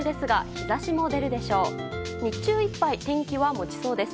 日中いっぱい天気は持ちそうです。